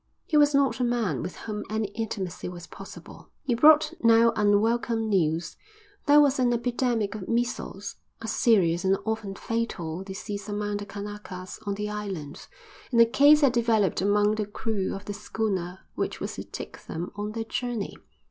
He was not a man with whom any intimacy was possible. He brought now unwelcome news. There was an epidemic of measles, a serious and often fatal disease among the Kanakas, on the island, and a case had developed among the crew of the schooner which was to take them on their journey.